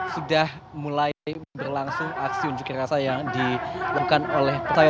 sudah mulai berlangsung aksi unjuk rasa yang dilakukan oleh petai